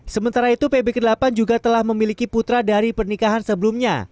sementara itu pb ke delapan juga telah memiliki putra dari pernikahan sebelumnya